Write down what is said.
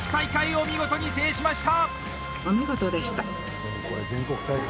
お見事でした。